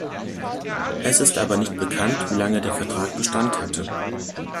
Es ist aber nicht bekannt, wie lange der Vertrag Bestand hatte.